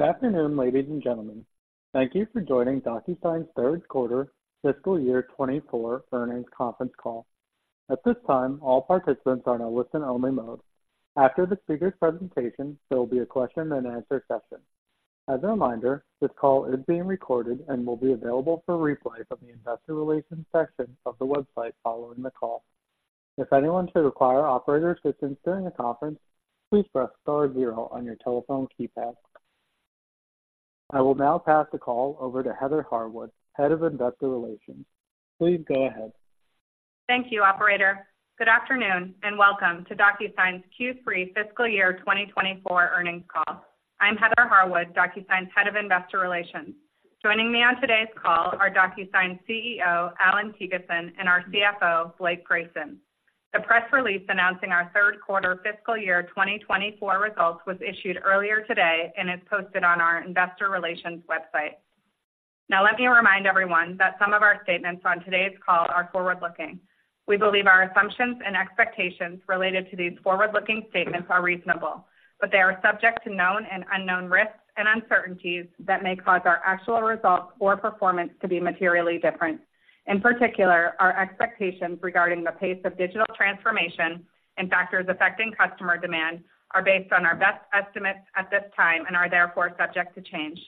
Good afternoon, ladies and gentlemen. Thank you for joining DocuSign's third quarter fiscal year 2024 earnings conference call. At this time, all participants are in a listen-only mode. After the speaker's presentation, there will be a question-and-answer session. As a reminder, this call is being recorded and will be available for replay from the investor relations section of the website following the call. If anyone should require operator assistance during the conference, please press star zero on your telephone keypad. I will now pass the call over to Heather Harwood, Head of Investor Relations. Please go ahead. Thank you, operator. Good afternoon, and welcome to DocuSign's Q3 fiscal year 2024 earnings call. I'm Heather Harwood, DocuSign's Head of Investor Relations. Joining me on today's call are DocuSign's CEO, Allan Thygesen, and our CFO, Blake Grayson. The press release announcing our third quarter fiscal year 2024 results was issued earlier today and is posted on our investor relations website. Now, let me remind everyone that some of our statements on today's call are forward-looking. We believe our assumptions and expectations related to these forward-looking statements are reasonable, but they are subject to known and unknown risks and uncertainties that may cause our actual results or performance to be materially different. In particular, our expectations regarding the pace of digital transformation and factors affecting customer demand are based on our best estimates at this time and are therefore subject to change.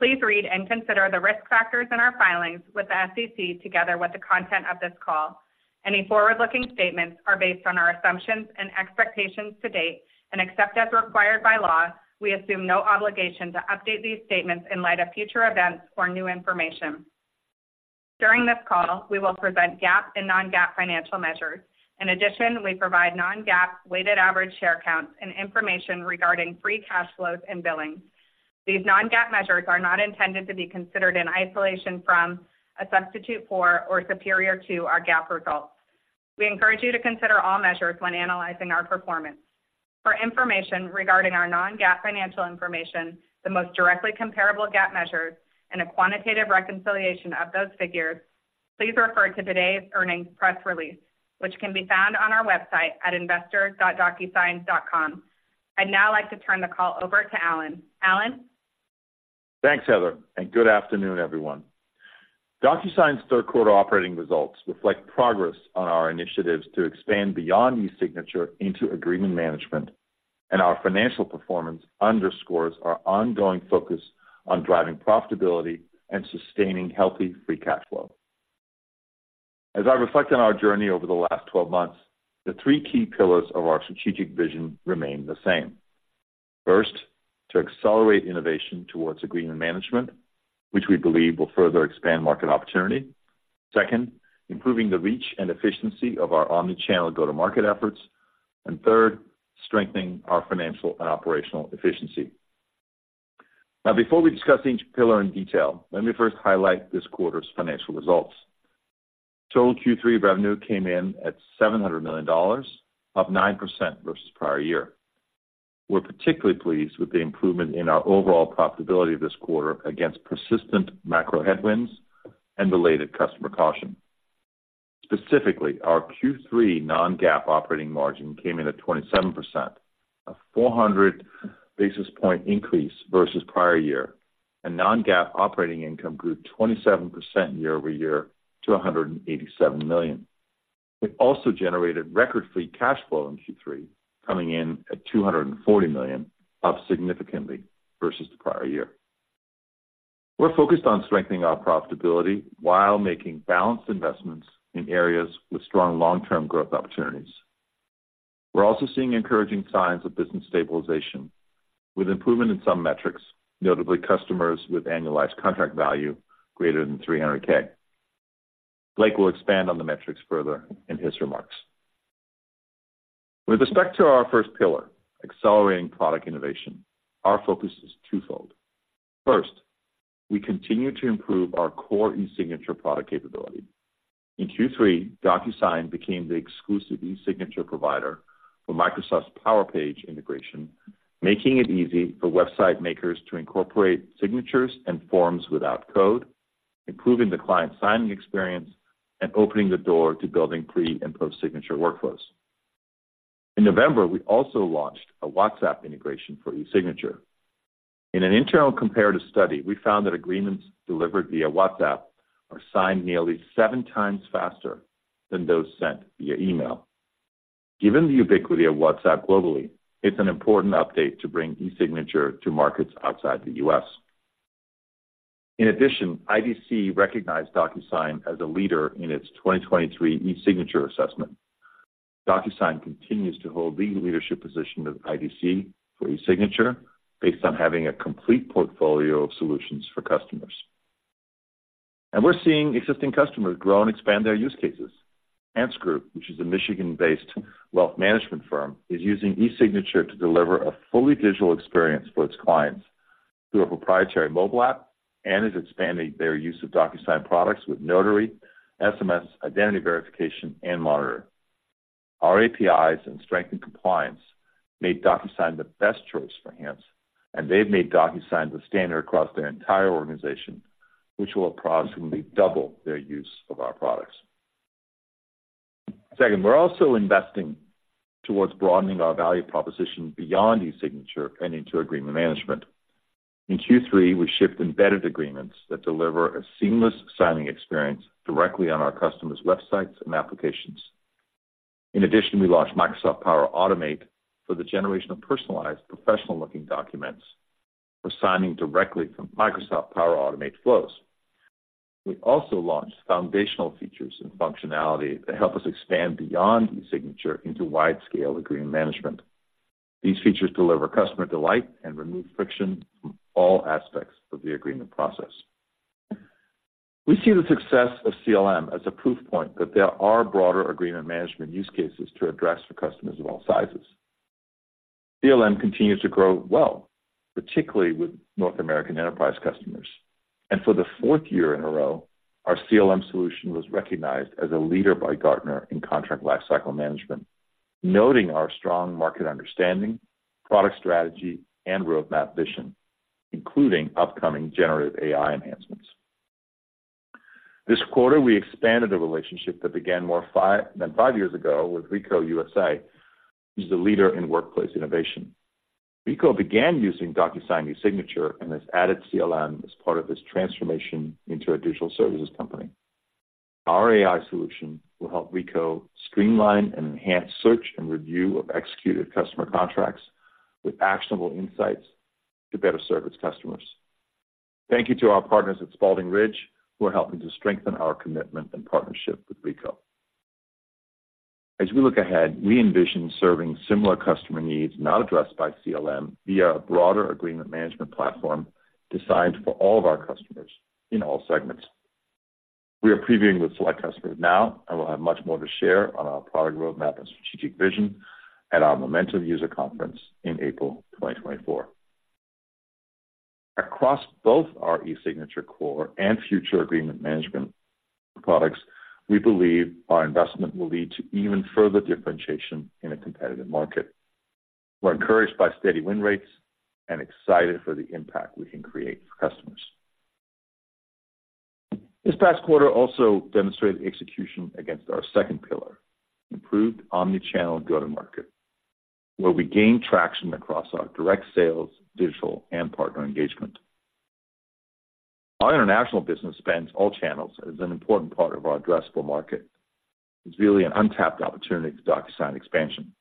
Please read and consider the risk factors in our filings with the SEC, together with the content of this call. Any forward-looking statements are based on our assumptions and expectations to date, and except as required by law, we assume no obligation to update these statements in light of future events or new information. During this call, we will present GAAP and non-GAAP financial measures. In addition, we provide non-GAAP weighted average share counts and information regarding free cash flows and billings. These non-GAAP measures are not intended to be considered in isolation from, a substitute for, or superior to our GAAP results. We encourage you to consider all measures when analyzing our performance. For information regarding our non-GAAP financial information, the most directly comparable GAAP measures, and a quantitative reconciliation of those figures, please refer to today's earnings press release, which can be found on our website at investor.docusign.com. I'd now like to turn the call over to Allan. Allan? Thanks, Heather, and good afternoon, everyone. DocuSign's third quarter operating results reflect progress on our initiatives to expand beyond eSignature into agreement management, and our financial performance underscores our ongoing focus on driving profitability and sustaining healthy free cash flow. As I reflect on our journey over the last 12 months, the three key pillars of our strategic vision remain the same. First, to accelerate innovation towards agreement management, which we believe will further expand market opportunity. Second, improving the reach and efficiency of our omni-channel go-to-market efforts. And third, strengthening our financial and operational efficiency. Now, before we discuss each pillar in detail, let me first highlight this quarter's financial results. Total Q3 revenue came in at $700 million, up 9% versus prior year. We're particularly pleased with the improvement in our overall profitability this quarter against persistent macro headwinds and related customer caution. Specifically, our Q3 non-GAAP operating margin came in at 27%, a 400 basis point increase versus prior year, and non-GAAP operating income grew 27% year-over-year to $187 million. We also generated record free cash flow in Q3, coming in at $240 million, up significantly versus the prior year. We're focused on strengthening our profitability while making balanced investments in areas with strong long-term growth opportunities. We're also seeing encouraging signs of business stabilization, with improvement in some metrics, notably customers with annualized contract value greater than 300K. Blake will expand on the metrics further in his remarks. With respect to our first pillar, accelerating product innovation, our focus is twofold. First, we continue to improve our core eSignature product capability. In Q3, DocuSign became the exclusive eSignature provider for Microsoft's Power Pages integration, making it easy for website makers to incorporate signatures and forms without code, improving the client signing experience and opening the door to building pre- and post-signature workflows. In November, we also launched a WhatsApp integration for eSignature. In an internal comparative study, we found that agreements delivered via WhatsApp are signed nearly seven times faster than those sent via email. Given the ubiquity of WhatsApp globally, it's an important update to bring eSignature to markets outside the U.S. In addition, IDC recognized DocuSign as a leader in its 2023 eSignature assessment. DocuSign continues to hold the leadership position of IDC for eSignature, based on having a complete portfolio of solutions for customers. We're seeing existing customers grow and expand their use cases. Hantz Group, which is a Michigan-based wealth management firm, is using eSignature to deliver a fully digital experience for its clients through a proprietary mobile app and is expanding their use of Docusign products with Notary, SMS, identity verification, and Monitor. Our APIs and strengthened compliance made Docusign the best choice for Hantz, and they've made Docusign the standard across their entire organization, which will approximately double their use of our products. Second, we're also investing towards broadening our value proposition beyond eSignature and into agreement management. In Q3, we shipped embedded agreements that deliver a seamless signing experience directly on our customers' websites and applications. In addition, we launched Microsoft Power Automate for the generation of personalized, professional-looking documents for signing directly from Microsoft Power Automate Flows. We also launched foundational features and functionality that help us expand beyond eSignature into wide-scale agreement management. These features deliver customer delight and remove friction from all aspects of the agreement process. We see the success of CLM as a proof point that there are broader agreement management use cases to address for customers of all sizes. CLM continues to grow well, particularly with North American enterprise customers, and for the fourth year in a row, our CLM solution was recognized as a leader by Gartner in contract lifecycle management, noting our strong market understanding, product strategy, and roadmap vision, including upcoming generative AI enhancements. This quarter, we expanded a relationship that began more than five years ago with Ricoh U.S.A., who's the leader in workplace innovation. Ricoh began using DocuSign eSignature and has added CLM as part of its transformation into a digital services company. Our AI solution will help Ricoh streamline and enhance search and review of executed customer contracts with actionable insights to better serve its customers. Thank you to our partners at Spaulding Ridge, who are helping to strengthen our commitment and partnership with Ricoh. As we look ahead, we envision serving similar customer needs not addressed by CLM via a broader agreement management platform designed for all of our customers in all segments. We are previewing with select customers now, and we'll have much more to share on our product roadmap and strategic vision at our Momentum user conference in April 2024. Across both our eSignature core and future agreement management products, we believe our investment will lead to even further differentiation in a competitive market. We're encouraged by steady win rates and excited for the impact we can create for customers. This past quarter also demonstrated execution against our second pillar, improved omni-channel go-to-market, where we gain traction across our direct sales, digital, and partner engagement. Our international business spans all channels and is an important part of our addressable market. It's really an untapped opportunity for Docusign expansion.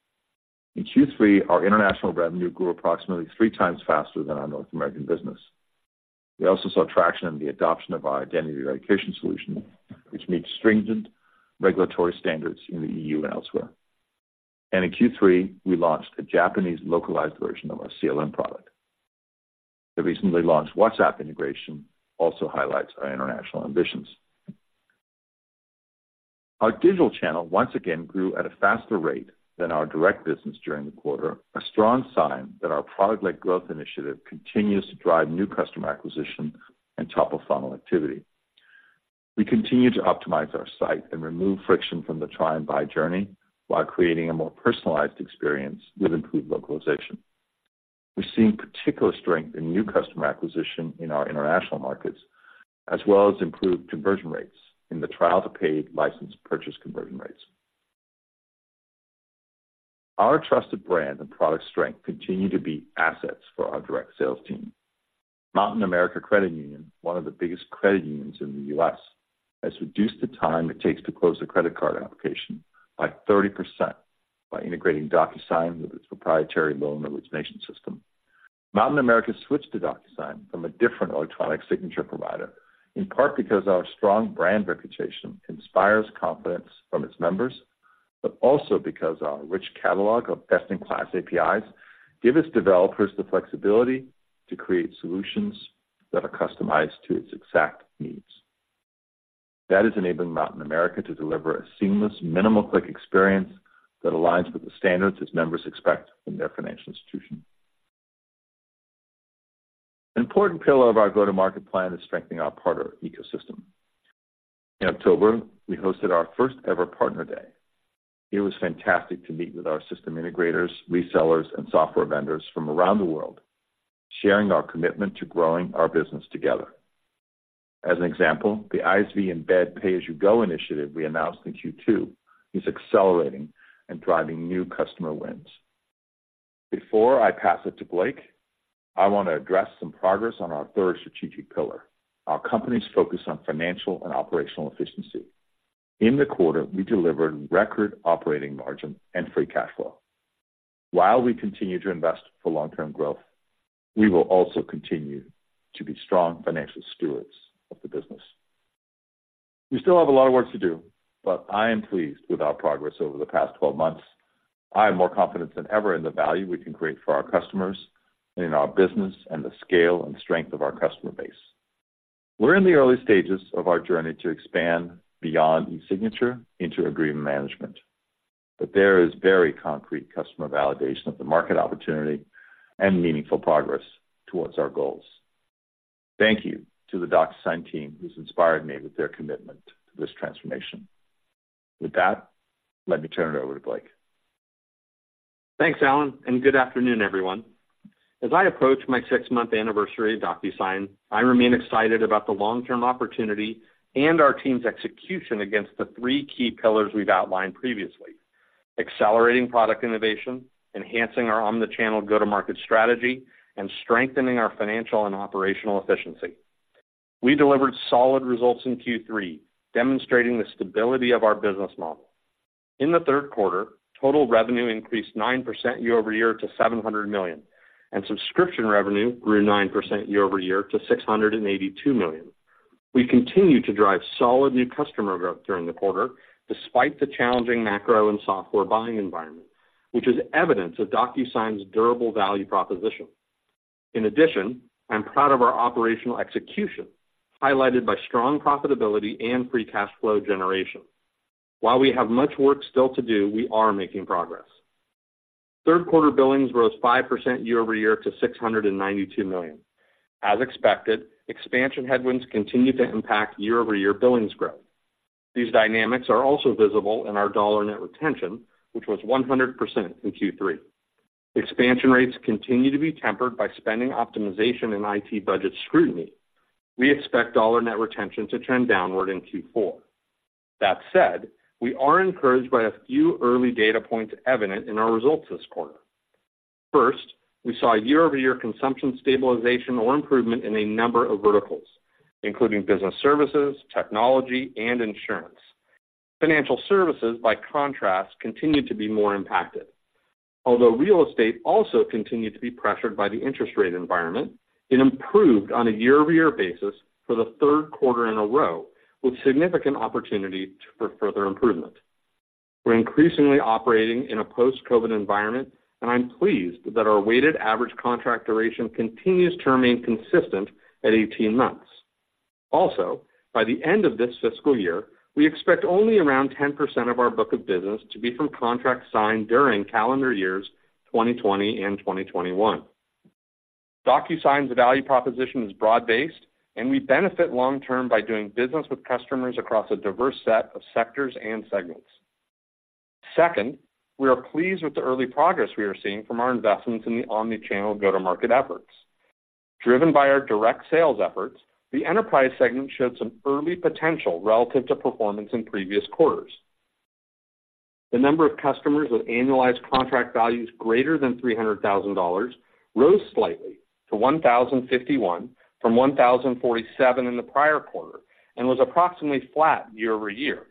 In Q3, our international revenue grew approximately three times faster than our North American business. We also saw traction in the adoption of our identity verification solution, which meets stringent regulatory standards in the EU and elsewhere. In Q3, we launched a Japanese localized version of our CLM product. The recently launched WhatsApp integration also highlights our international ambitions. Our digital channel once again grew at a faster rate than our direct business during the quarter, a strong sign that our product-led growth initiative continues to drive new customer acquisition and top-of-funnel activity. We continue to optimize our site and remove friction from the try-and-buy journey while creating a more personalized experience with improved localization. We're seeing particular strength in new customer acquisition in our international markets, as well as improved conversion rates in the trial to paid license purchase conversion rates. Our trusted brand and product strength continue to be assets for our direct sales team. Mountain America Credit Union, one of the biggest credit unions in the U.S., has reduced the time it takes to close a credit card application by 30% by integrating DocuSign with its proprietary loan origination system. Mountain America switched to DocuSign from a different electronic signature provider, in part because our strong brand reputation inspires confidence from its members, but also because our rich catalog of best-in-class APIs give its developers the flexibility to create solutions that are customized to its exact needs. That is enabling Mountain America to deliver a seamless, minimal-click experience that aligns with the standards its members expect from their financial institution. An important pillar of our go-to-market plan is strengthening our partner ecosystem. In October, we hosted our first-ever Partner Day. It was fantastic to meet with our system integrators, resellers, and software vendors from around the world, sharing our commitment to growing our business together. As an example, the ISV Embed Pay-as-You-Go initiative we announced in Q2 is accelerating and driving new customer wins. Before I pass it to Blake, I want to address some progress on our third strategic pillar, our company's focus on financial and operational efficiency. In the quarter, we delivered record operating margin and free cash flow. While we continue to invest for long-term growth, we will also continue to be strong financial stewards of the business. We still have a lot of work to do, but I am pleased with our progress over the past 12 months. I have more confidence than ever in the value we can create for our customers and in our business and the scale and strength of our customer base. We're in the early stages of our journey to expand beyond eSignature into agreement management, but there is very concrete customer validation of the market opportunity and meaningful progress towards our goals. Thank you to the Docusign team, who's inspired me with their commitment to this transformation. With that, let me turn it over to Blake.... Thanks, Allan, and good afternoon, everyone. As I approach my six-month anniversary at Docusign, I remain excited about the long-term opportunity and our team's execution against the three key pillars we've outlined previously: accelerating product innovation, enhancing our omni-channel go-to-market strategy, and strengthening our financial and operational efficiency. We delivered solid results in Q3, demonstrating the stability of our business model. In the third quarter, total revenue increased 9% year-over-year to $700 million, and subscription revenue grew 9% year-over-year to $682 million. We continued to drive solid new customer growth during the quarter, despite the challenging macro and software buying environment, which is evidence of Docusign's durable value proposition. In addition, I'm proud of our operational execution, highlighted by strong profitability and free cash flow generation. While we have much work still to do, we are making progress. Third quarter billings rose 5% year-over-year to $692 million. As expected, expansion headwinds continued to impact year-over-year billings growth. These dynamics are also visible in our dollar net retention, which was 100% in Q3. Expansion rates continue to be tempered by spending optimization and IT budget scrutiny. We expect dollar net retention to trend downward in Q4. That said, we are encouraged by a few early data points evident in our results this quarter. First, we saw year-over-year consumption stabilization or improvement in a number of verticals, including business services, technology, and insurance. Financial services, by contrast, continued to be more impacted. Although real estate also continued to be pressured by the interest rate environment, it improved on a year-over-year basis for the third quarter in a row, with significant opportunity for further improvement. We're increasingly operating in a post-COVID environment, and I'm pleased that our weighted average contract duration continues to remain consistent at 18 months. Also, by the end of this fiscal year, we expect only around 10% of our book of business to be from contracts signed during calendar years 2020 and 2021. Docusign's value proposition is broad-based, and we benefit long term by doing business with customers across a diverse set of sectors and segments. Second, we are pleased with the early progress we are seeing from our investments in the omni-channel go-to-market efforts. Driven by our direct sales efforts, the enterprise segment showed some early potential relative to performance in previous quarters. The number of customers with annualized contract values greater than $300,000 rose slightly to 1,051 from 1,047 in the prior quarter and was approximately flat year-over-year.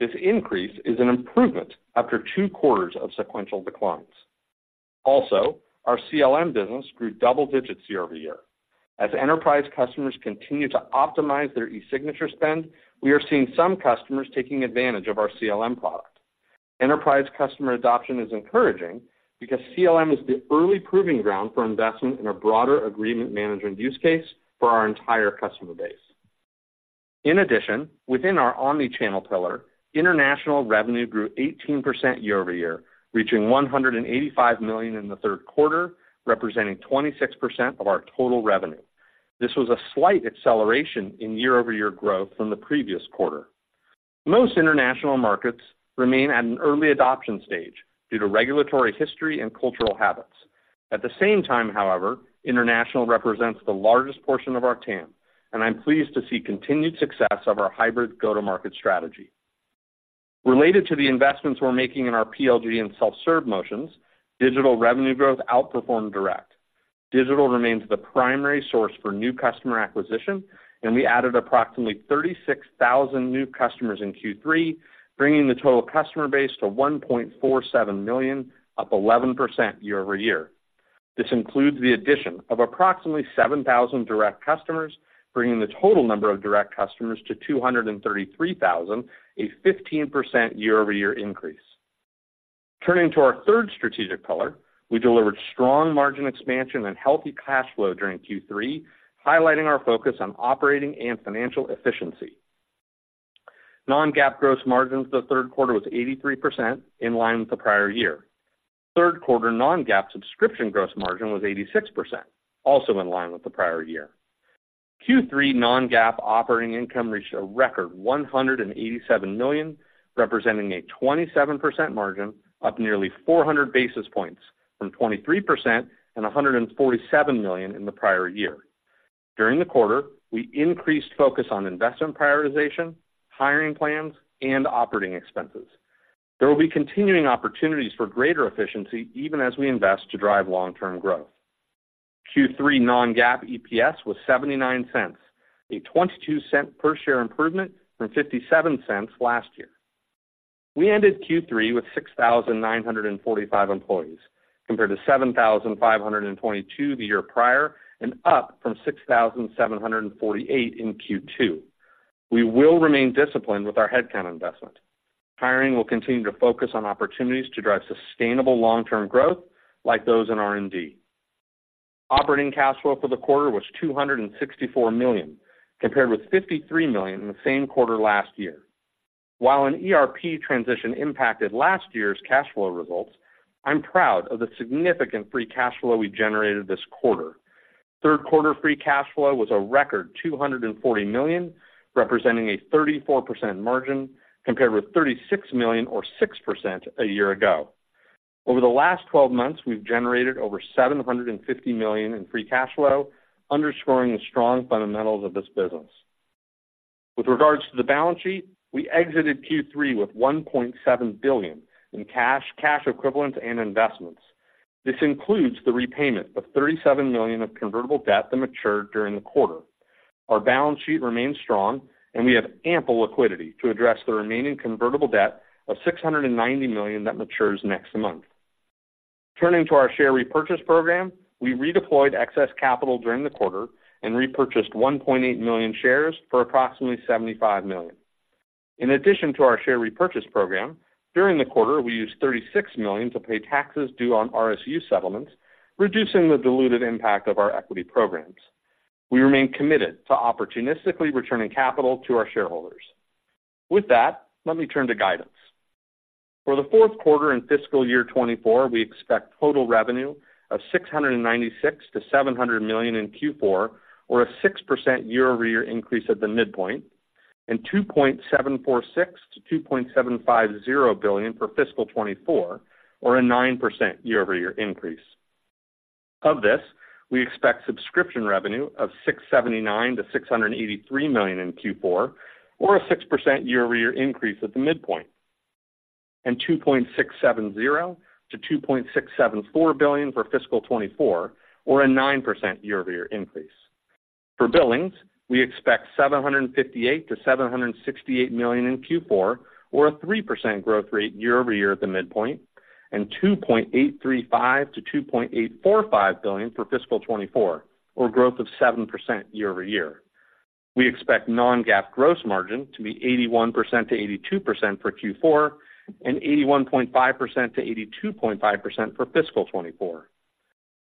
This increase is an improvement after two quarters of sequential declines. Also, our CLM business grew double digits year-over-year. As enterprise customers continue to optimize their eSignature spend, we are seeing some customers taking advantage of our CLM product. Enterprise customer adoption is encouraging because CLM is the early proving ground for investment in a broader agreement management use case for our entire customer base. In addition, within our omni-channel pillar, international revenue grew 18% year-over-year, reaching $185 million in the third quarter, representing 26% of our total revenue. This was a slight acceleration in year-over-year growth from the previous quarter. Most international markets remain at an early adoption stage due to regulatory history and cultural habits. At the same time, however, international represents the largest portion of our TAM, and I'm pleased to see continued success of our hybrid go-to-market strategy. Related to the investments we're making in our PLG and self-serve motions, digital revenue growth outperformed direct. Digital remains the primary source for new customer acquisition, and we added approximately 36,000 new customers in Q3, bringing the total customer base to 1.47 million, up 11% year over year. This includes the addition of approximately 7,000 direct customers, bringing the total number of direct customers to 233,000, a 15% year-over-year increase. Turning to our third strategic pillar, we delivered strong margin expansion and healthy cash flow during Q3, highlighting our focus on operating and financial efficiency. Non-GAAP gross margins for the third quarter was 83%, in line with the prior year. Third quarter non-GAAP subscription gross margin was 86%, also in line with the prior year. Q3 non-GAAP operating income reached a record $187 million, representing a 27% margin, up nearly 400 basis points from 23% and $147 million in the prior year. During the quarter, we increased focus on investment prioritization, hiring plans, and operating expenses. There will be continuing opportunities for greater efficiency even as we invest to drive long-term growth. Q3 non-GAAP EPS was $0.79, a $0.22 per share improvement from $0.57 last year. We ended Q3 with 6,945 employees, compared to 7,522 the year prior, and up from 6,748 in Q2. We will remain disciplined with our headcount investment. Hiring will continue to focus on opportunities to drive sustainable long-term growth like those in R&D. Operating cash flow for the quarter was $264 million, compared with $53 million in the same quarter last year. While an ERP transition impacted last year's cash flow results, I'm proud of the significant free cash flow we generated this quarter. Third quarter free cash flow was a record $240 million, representing a 34% margin, compared with $36 million or 6% a year ago. Over the last 12 months, we've generated over $750 million in free cash flow, underscoring the strong fundamentals of this business. With regards to the balance sheet, we exited Q3 with $1.7 billion in cash, cash equivalents, and investments. This includes the repayment of $37 million of convertible debt that matured during the quarter. Our balance sheet remains strong, and we have ample liquidity to address the remaining convertible debt of $690 million that matures next month. Turning to our share repurchase program, we redeployed excess capital during the quarter and repurchased 1.8 million shares for approximately $75 million. In addition to our share repurchase program, during the quarter, we used $36 million to pay taxes due on RSU settlements, reducing the diluted impact of our equity programs. We remain committed to opportunistically returning capital to our shareholders. With that, let me turn to guidance. For the fourth quarter in fiscal year 2024, we expect total revenue of $696 million-$700 million in Q4, or a 6% year-over-year increase at the midpoint, and $2.746 billion-$2.750 billion for fiscal 2024, or a 9% year-over-year increase. Of this, we expect subscription revenue of $679 million-$683 million in Q4, or a 6% year-over-year increase at the midpoint, and $2.670 billion-$2.674 billion for fiscal 2024, or a 9% year-over-year increase. For billings, we expect $758 million-$768 million in Q4, or a 3% growth rate year-over-year at the midpoint, and $2.835 billion-$2.845 billion for fiscal 2024, or growth of 7% year-over-year. We expect non-GAAP gross margin to be 81%-82% for Q4 and 81.5%-82.5% for fiscal 2024.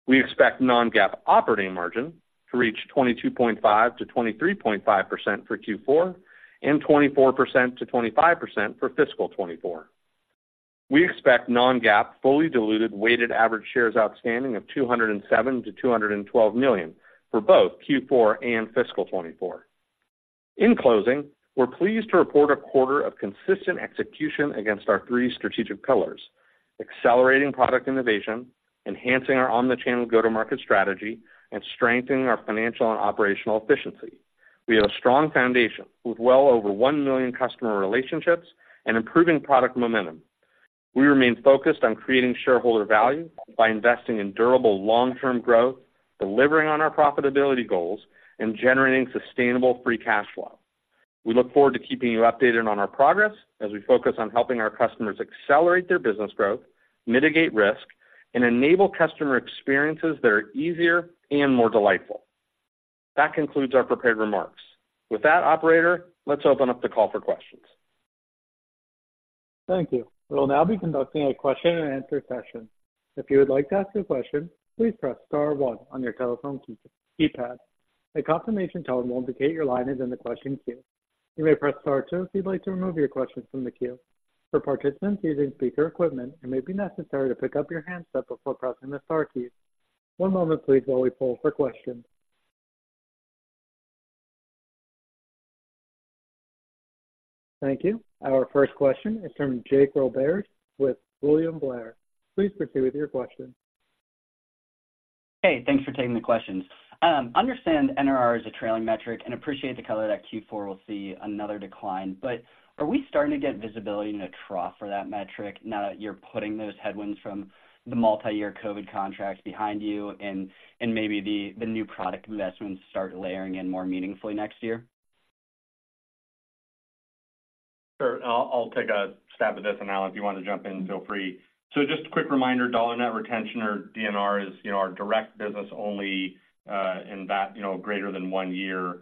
We expect non-GAAP operating margin to reach 22.5%-23.5% for Q4 and 24%-25% for fiscal 2024. We expect non-GAAP fully diluted weighted average shares outstanding of 207 million-212 million for both Q4 and fiscal 2024. In closing, we're pleased to report a quarter of consistent execution against our three strategic pillars: accelerating product innovation, enhancing our omni-channel go-to-market strategy, and strengthening our financial and operational efficiency. We have a strong foundation with well over 1 million customer relationships and improving product momentum. We remain focused on creating shareholder value by investing in durable long-term growth, delivering on our profitability goals, and generating sustainable free cash flow. We look forward to keeping you updated on our progress as we focus on helping our customers accelerate their business growth, mitigate risk, and enable customer experiences that are easier and more delightful. That concludes our prepared remarks. With that, operator, let's open up the call for questions. Thank you. We'll now be conducting a question-and-answer session. If you would like to ask a question, please press star one on your telephone key, keypad. A confirmation tone will indicate your line is in the question queue. You may press star two if you'd like to remove your question from the queue. For participants using speaker equipment, it may be necessary to pick up your handset before pressing the star key. One moment, please, while we pull for questions. Thank you. Our first question is from Jake Roberge with William Blair. Please proceed with your question. Hey, thanks for taking the questions. I understand NRR is a trailing metric and appreciate the color that Q4 will see another decline. But are we starting to get visibility in a trough for that metric now that you're putting those headwinds from the multiyear COVID contracts behind you and maybe the new product investments start layering in more meaningfully next year? Sure. I'll, I'll take a stab at this, and, Allan, if you want to jump in, feel free. So just a quick reminder, Dollar Net Retention, or DNR, is, you know, our direct business only, in that, you know, greater than one year.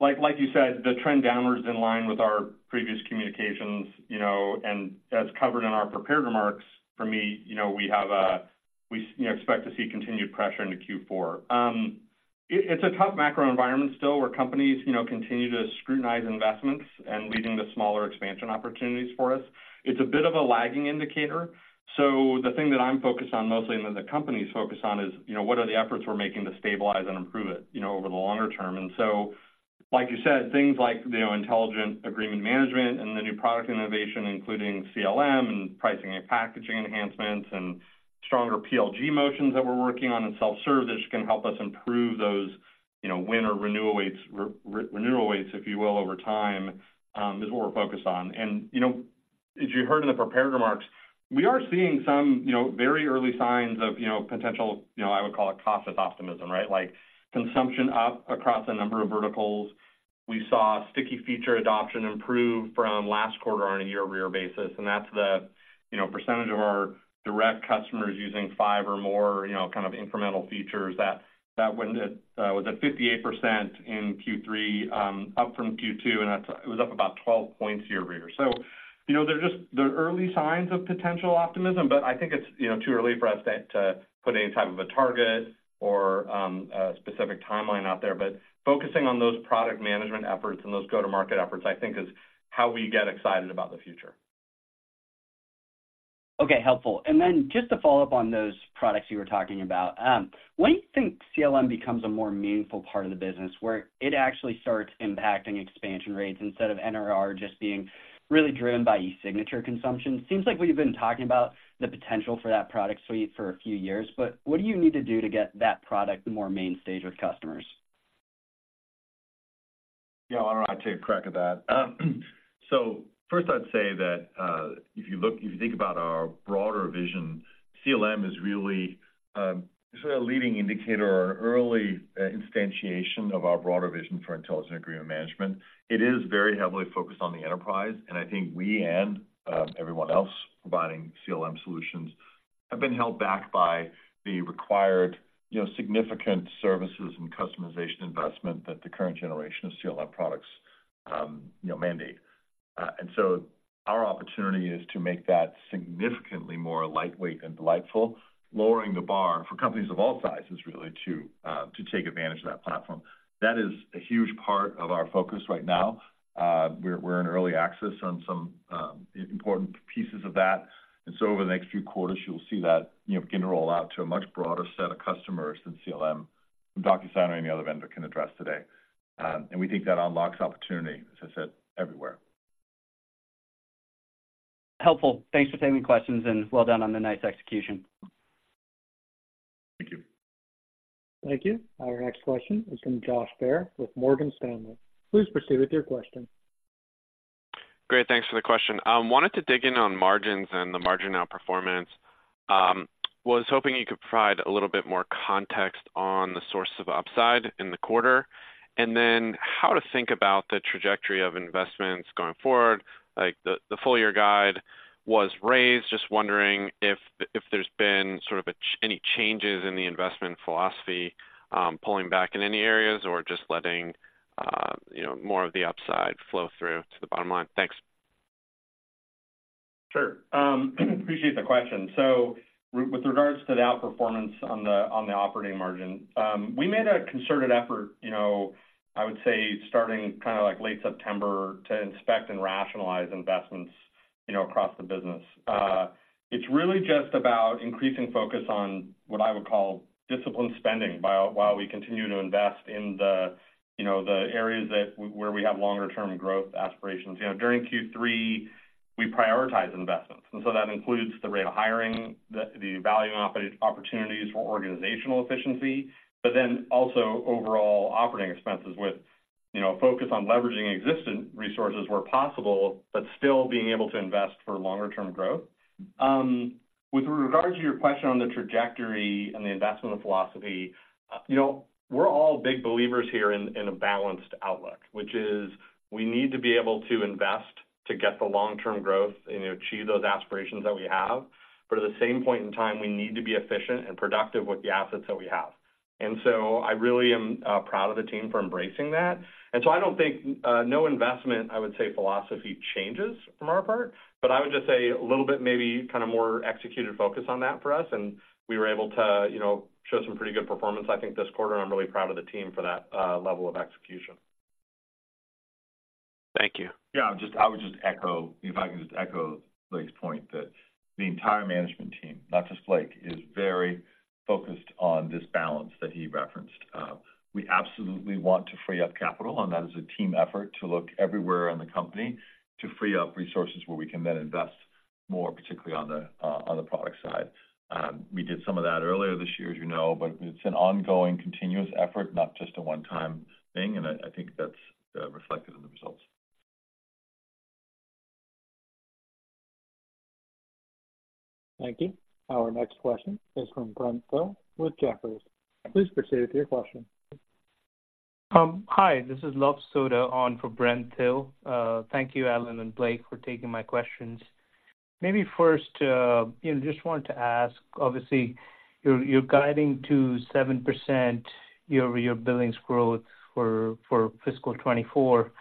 Like, like you said, the trend downwards in line with our previous communications, you know, and as covered in our prepared remarks, for me, you know, we have, we, you know, expect to see continued pressure into Q4. It, it's a tough macro environment still, where companies, you know, continue to scrutinize investments and leading to smaller expansion opportunities for us. It's a bit of a lagging indicator. So the thing that I'm focused on mostly and that the company's focused on is, you know, what are the efforts we're making to stabilize and improve it, you know, over the longer term. And so, like you said, things like, you know, Intelligent Agreement Management and the new product innovation, including CLM and pricing and packaging enhancements and stronger PLG motions that we're working on in self-service, that's gonna help us improve those, you know, win or renewal rates, renewal rates, if you will, over time, is what we're focused on. And, you know, as you heard in the prepared remarks, we are seeing some, you know, very early signs of, you know, potential, you know, I would call it cautious optimism, right? Like, consumption up across a number of verticals. We saw sticky feature adoption improve from last quarter on a year-over-year basis, and that's the, you know, percentage of our direct customers using five or more, you know, kind of incremental features that when it was at 58% in Q3, up from Q2, and that was up about 12 points year-over-year. So, you know, they're just the early signs of potential optimism, but I think it's, you know, too early for us to to put any type of a target or a specific timeline out there. But focusing on those product management efforts and those go-to-market efforts, I think, is how we get excited about the future.... Okay, helpful. And then just to follow up on those products you were talking about, when do you think CLM becomes a more meaningful part of the business, where it actually starts impacting expansion rates instead of NRR just being really driven by eSignature consumption? Seems like we've been talking about the potential for that product suite for a few years, but what do you need to do to get that product more main stage with customers? Yeah, why don't I take a crack at that? So first I'd say that, if you think about our broader vision, CLM is really, sort of a leading indicator or an early instantiation of our broader vision for Intelligent Agreement Management. It is very heavily focused on the enterprise, and I think we and, everyone else providing CLM solutions have been held back by the required, you know, significant services and customization investment that the current generation of CLM products, you know, mandate. And so our opportunity is to make that significantly more lightweight and delightful, lowering the bar for companies of all sizes, really, to take advantage of that platform. That is a huge part of our focus right now. We're in early access on some, important pieces of that. Over the next few quarters, you'll see that, you know, begin to roll out to a much broader set of customers than CLM, Docusign, or any other vendor can address today. We think that unlocks opportunity, as I said, everywhere. Helpful. Thanks for taking the questions, and well done on the nice execution. Thank you. Thank you. Our next question is from Josh Baer with Morgan Stanley. Please proceed with your question. Great, thanks for the question. Wanted to dig in on margins and the margin outperformance. Was hoping you could provide a little bit more context on the source of upside in the quarter. And then how to think about the trajectory of investments going forward, like the full year guide was raised. Just wondering if there's been sort of any changes in the investment philosophy, pulling back in any areas or just letting you know, more of the upside flow through to the bottom line. Thanks. Sure. Appreciate the question. So with regards to the outperformance on the, on the operating margin, we made a concerted effort, you know, I would say starting kind of like late September, to inspect and rationalize investments, you know, across the business. It's really just about increasing focus on what I would call disciplined spending, while we continue to invest in the, you know, the areas that, where we have longer term growth aspirations. You know, during Q3, we prioritize investments, and so that includes the rate of hiring, the, the value opportunities for organizational efficiency, but then also overall operating expenses with, you know, a focus on leveraging existing resources where possible, but still being able to invest for longer term growth. With regard to your question on the trajectory and the investment philosophy, you know, we're all big believers here in a balanced outlook, which is we need to be able to invest to get the long-term growth and achieve those aspirations that we have. But at the same point in time, we need to be efficient and productive with the assets that we have. And so I really am proud of the team for embracing that. And so I don't think no investment, I would say, philosophy changes from our part, but I would just say a little bit, maybe kind of more executed focus on that for us, and we were able to, you know, show some pretty good performance, I think, this quarter. I'm really proud of the team for that level of execution. Thank you. Yeah. I would just echo, if I could just echo Blake's point, that the entire management team, not just Blake, is very focused on this balance that he referenced. We absolutely want to free up capital, and that is a team effort to look everywhere in the company to free up resources where we can then invest more, particularly on the product side. We did some of that earlier this year, as you know, but it's an ongoing, continuous effort, not just a one-time thing, and I think that's reflected in the results. Thank you. Our next question is from Brent Thill with Jefferies. Please proceed with your question. Hi, this is Luv Sodha on for Brent Thill. Thank you, Allan and Blake, for taking my questions. Maybe first, you know, just wanted to ask, obviously, you're guiding to 7% year-over-year billings growth for fiscal 2024.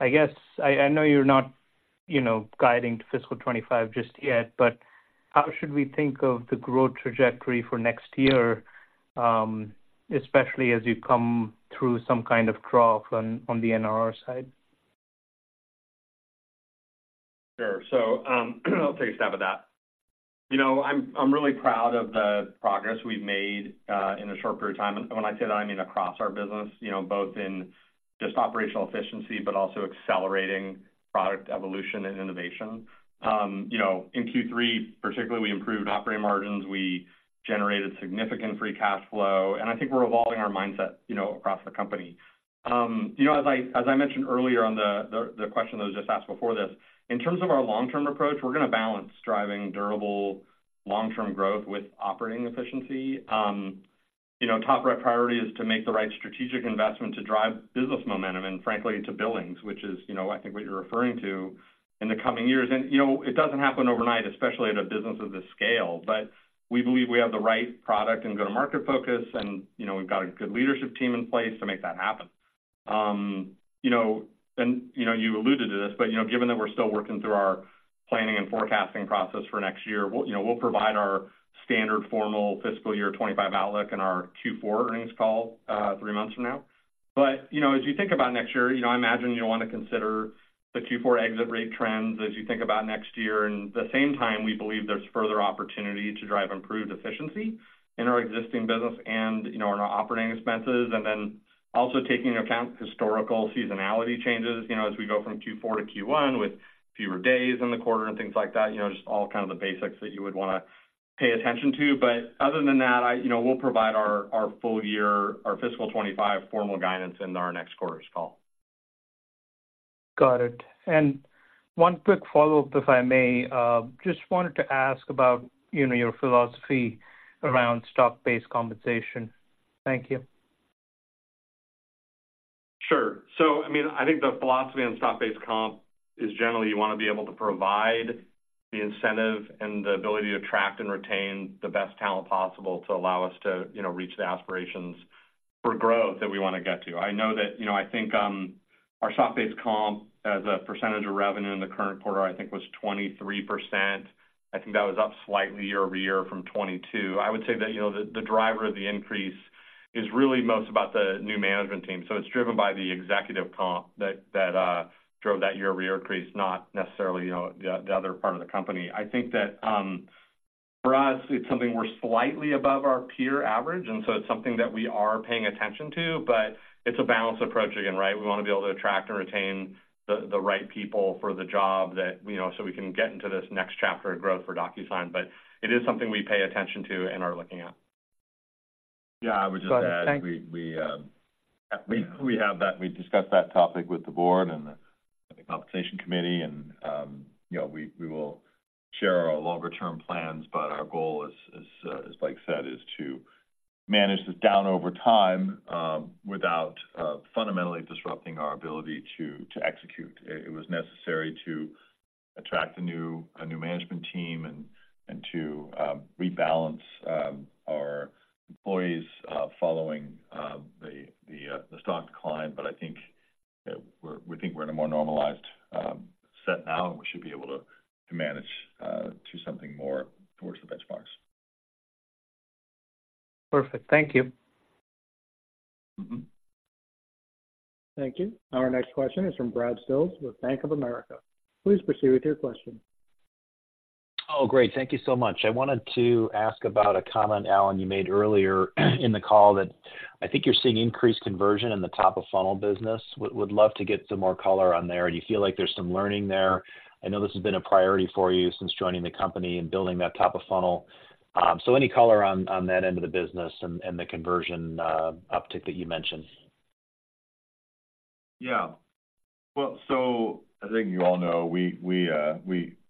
I guess, I know you're not, you know, guiding to fiscal 2025 just yet, but how should we think of the growth trajectory for next year, especially as you come through some kind of trough on the NRR side? Sure. So, I'll take a stab at that. You know, I'm really proud of the progress we've made in a short period of time, and when I say that, I mean across our business, you know, both in just operational efficiency, but also accelerating product evolution and innovation. You know, in Q3 particularly, we improved operating margins, we generated significant Free Cash Flow, and I think we're evolving our mindset, you know, across the company. You know, as I mentioned earlier on the question that was just asked before this, in terms of our long-term approach, we're gonna balance driving durable long-term growth with operating efficiency. You know, top priority is to make the right strategic investment to drive business momentum and frankly, to Billings, which is, you know, I think what you're referring to in the coming years. You know, it doesn't happen overnight, especially at a business of this scale, but we believe we have the right product and go-to-market focus, and, you know, we've got a good leadership team in place to make that happen. You know, you alluded to this, but, you know, given that we're still working through our planning and forecasting process for next year, we'll, you know, we'll provide our standard formal fiscal year 2025 outlook and our Q4 earnings call, three months from now. But, you know, as you think about next year, you know, I imagine you'll want to consider the Q4 exit rate trends as you think about next year. And at the same time, we believe there's further opportunity to drive improved efficiency in our existing business and, you know, in our operating expenses. And then also taking into account historical seasonality changes, you know, as we go from Q4 to Q1, with fewer days in the quarter and things like that, you know, just all kind of the basics that you would wanna pay attention to. But other than that, I, you know, we'll provide our, our full year, our fiscal 2025 formal guidance in our next quarter's call. Got it. One quick follow-up, if I may. Just wanted to ask about, you know, your philosophy around stock-based compensation. Thank you. Sure. So, I mean, I think the philosophy on stock-based comp is generally you want to be able to provide the incentive and the ability to attract and retain the best talent possible to allow us to, you know, reach the aspirations for growth that we wanna get to. I know that, you know, I think, our stock-based comp as a percentage of revenue in the current quarter, I think, was 23%. I think that was up slightly year-over-year from 2022. I would say that, you know, the driver of the increase is really most about the new management team. So it's driven by the executive comp that drove that year-over-year increase, not necessarily, you know, the other part of the company. I think that, for us, it's something we're slightly above our peer average, and so it's something that we are paying attention to, but it's a balanced approach, again, right? We wanna be able to attract and retain the, the right people for the job that, you know, so we can get into this next chapter of growth for Docusign. It is something we pay attention to and are looking at. Yeah, I would just add- Got it. Thank- We have that. We discussed that topic with the board and the compensation committee, and, you know, we will share our longer-term plans, but our goal is, as Blake said, to manage this down over time, without fundamentally disrupting our ability to execute. It was necessary to attract a new management team and to rebalance our employees following the stock decline. But I think, we think we're in a more normalized set now, and we should be able to manage to something more towards the benchmarks. Perfect. Thank you. Mm-hmm. Thank you. Our next question is from Brad Sills with Bank of America. Please proceed with your question. Oh, great. Thank you so much. I wanted to ask about a comment, Allan, you made earlier in the call, that I think you're seeing increased conversion in the top-of-funnel business. Would love to get some more color on there. Do you feel like there's some learning there? I know this has been a priority for you since joining the company and building that top of funnel. So any color on that end of the business and the conversion uptick that you mentioned? Yeah. Well, so I think you all know, we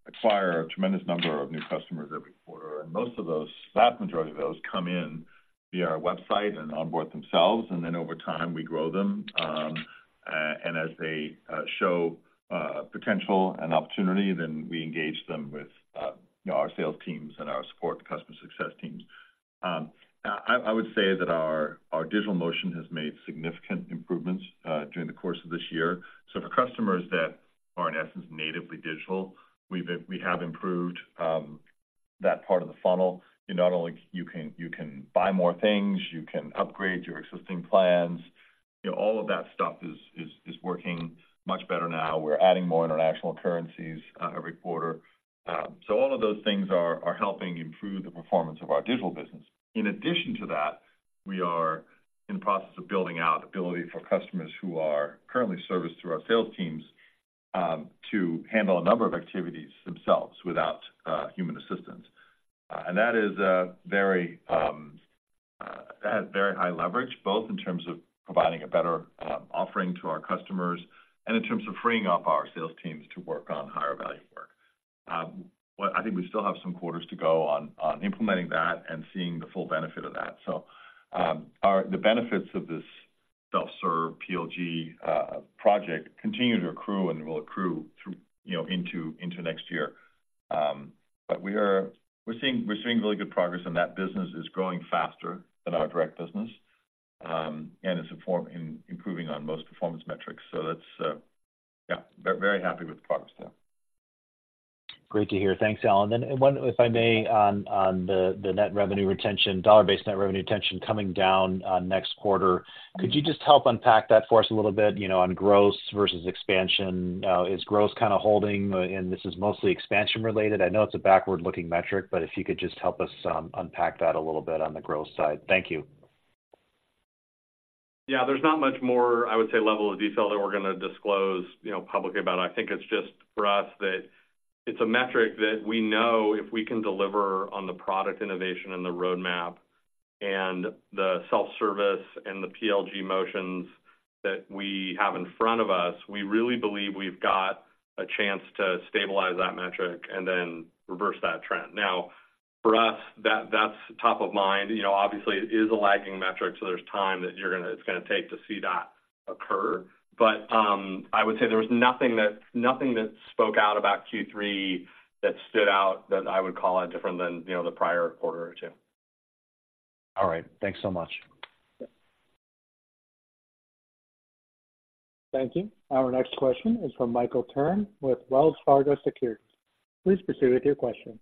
acquire a tremendous number of new customers every quarter, and most of those, vast majority of those come in via our website and onboard themselves, and then over time, we grow them. And as they show potential and opportunity, then we engage them with, you know, our sales teams and our support customer success teams. I would say that our digital motion has made significant improvements during the course of this year. So for customers that are, in essence, natively digital, we have improved that part of the funnel. You can not only buy more things, you can upgrade your existing plans, you know, all of that stuff is working much better now. We're adding more international currencies every quarter. So all of those things are, are helping improve the performance of our digital business. In addition to that, we are in the process of building out ability for customers who are currently serviced through our sales teams, to handle a number of activities themselves without human assistance. And that is a very, a very high leverage, both in terms of providing a better offering to our customers and in terms of freeing up our sales teams to work on higher value work. But I think we still have some quarters to go on implementing that and seeing the full benefit of that. So our... The benefits of this self-serve PLG project continue to accrue and will accrue through, you know, into next year. But we're seeing, we're seeing really good progress, and that business is growing faster than our direct business, and is improving on most performance metrics. So that's, yeah, very happy with the progress there. Great to hear. Thanks, Allan. Then one, if I may, on the net revenue retention, dollar-based net revenue retention coming down on next quarter, could you just help unpack that for us a little bit, you know, on growth versus expansion? Is growth kind of holding, and this is mostly expansion related? I know it's a backward-looking metric, but if you could just help us unpack that a little bit on the growth side. Thank you. Yeah, there's not much more, I would say, level of detail that we're gonna disclose, you know, publicly about. I think it's just for us, that it's a metric that we know if we can deliver on the product innovation and the roadmap and the self-service and the PLG motions that we have in front of us, we really believe we've got a chance to stabilize that metric and then reverse that trend. Now, for us, that's top of mind. You know, obviously, it is a lagging metric, so there's time that you're gonna it's gonna take to see that occur. But, I would say there was nothing that spoke out about Q3 that stood out, that I would call it different than, you know, the prior quarter or two. All right. Thanks so much. Thank you. Our next question is from Michael Turrin with Wells Fargo Securities. Please proceed with your question.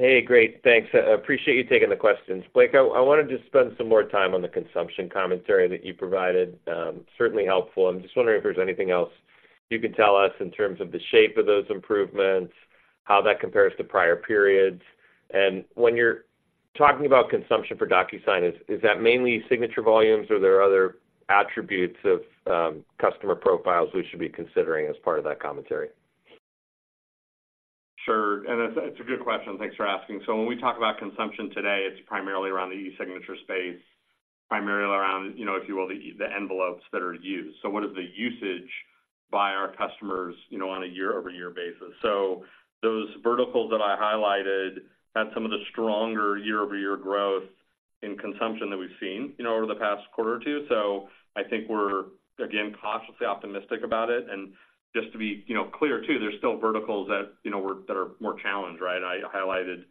Hey, great. Thanks. I appreciate you taking the questions. Blake, I wanted to spend some more time on the consumption commentary that you provided. Certainly helpful. I'm just wondering if there's anything else you can tell us in terms of the shape of those improvements, how that compares to prior periods. When you're talking about consumption for Docusign, is that mainly signature volumes, or are there other attributes of customer profiles we should be considering as part of that commentary? Sure. And it's a good question. Thanks for asking. So when we talk about consumption today, it's primarily around the eSignature space, primarily around, you know, if you will, the envelopes that are used. So what is the usage by our customers, you know, on a year-over-year basis? So those verticals that I highlighted had some of the stronger year-over-year growth in consumption that we've seen, you know, over the past quarter or two. So I think we're, again, cautiously optimistic about it. And just to be, you know, clear, too, there's still verticals that, you know, we're- that are more challenged, right? I highlighted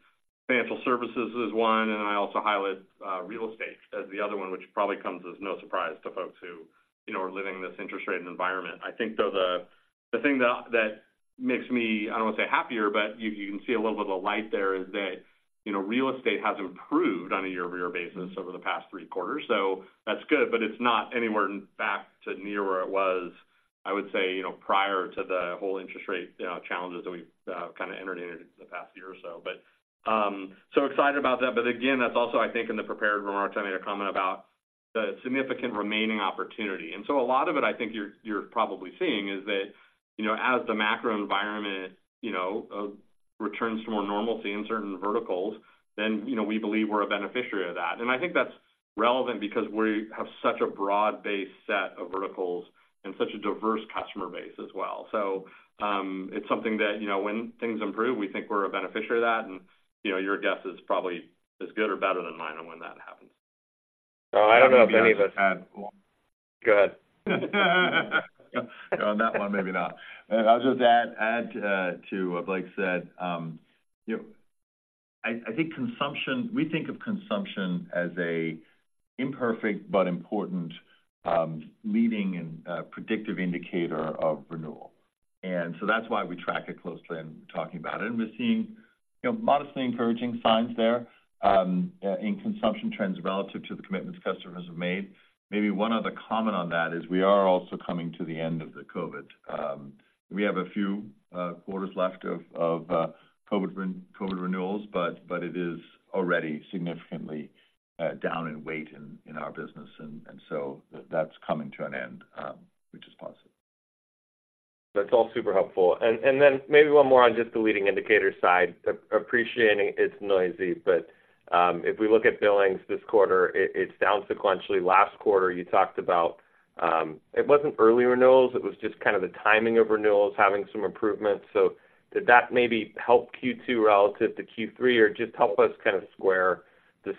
financial services as one, and I also highlight real estate as the other one, which probably comes as no surprise to folks who, you know, are living in this interest rate environment. I think, though, the thing that makes me, I don't want to say happier, but you can see a little bit of light there, is that, you know, real estate has improved on a year-over-year basis over the past three quarters, so that's good, but it's not anywhere back to near where it was, I would say, you know, prior to the whole interest rate challenges that we've kind of entered into the past year or so. But so excited about that. But again, that's also, I think, in the prepared remarks, I made a comment about the significant remaining opportunity. And so a lot of it, I think you're probably seeing, is that, you know, as the macro environment, you know, returns to more normalcy in certain verticals, then, you know, we believe we're a beneficiary of that. I think that's relevant because we have such a broad-based set of verticals and such a diverse customer base as well. It's something that, you know, when things improve, we think we're a beneficiary of that, and, you know, your guess is probably as good or better than mine on when that happens. I don't know if any of us... Go ahead. On that one, maybe not. I'll just add to what Blake said. You know, I think consumption—we think of consumption as an imperfect but important leading and predictive indicator of renewal. And so that's why we track it closely and talking about it. And we're seeing, you know, modestly encouraging signs there in consumption trends relative to the commitments customers have made. Maybe one other comment on that is we are also coming to the end of the COVID. We have a few quarters left of COVID renewals, but it is already significantly down in weight in our business, and so that's coming to an end, which is positive. That's all super helpful. And then maybe one more on just the leading indicator side. Appreciating it's noisy, but if we look at billings this quarter, it's down sequentially. Last quarter, you talked about it wasn't early renewals. It was just kind of the timing of renewals having some improvements. So did that maybe help Q2 relative to Q3, or just help us kind of square the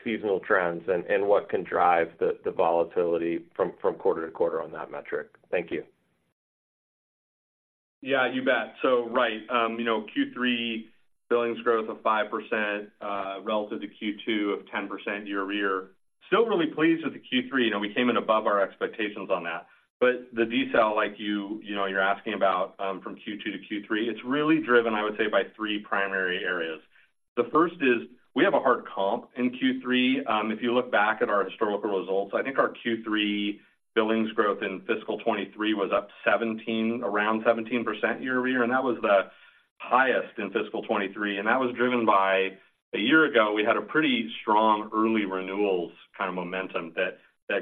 seasonal trends and what can drive the volatility from quarter to quarter on that metric? Thank you. Yeah, you bet. So, right, you know, Q3 billings growth of 5%, relative to Q2 of 10% year over year. Still really pleased with the Q3. You know, we came in above our expectations on that. But the detail, like you, you know, you're asking about, from Q2 to Q3, it's really driven, I would say, by three primary areas. The first is, we have a hard comp in Q3. If you look back at our historical results, I think our Q3 billings growth in fiscal 2023 was up 17%, around 17% year over year, and that was the highest in fiscal 2023. And that was driven by, a year ago, we had a pretty strong early renewals kind of momentum that